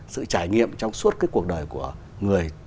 sự trải nghiệm trong suốt cuộc đời của người